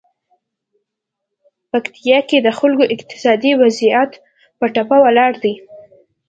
پکتیکا کې د خلکو اقتصادي وضعیت په ټپه ولاړ دی.